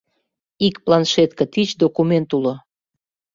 — Ик планшетке тич документ уло.